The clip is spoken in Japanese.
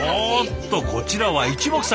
こちらはいちもくさんにＣ！